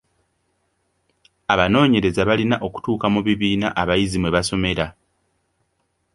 Abanoonyereza baalina okutuuka mu bibiina abayizi mwe basomera.